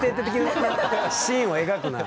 シーンを描くなあ。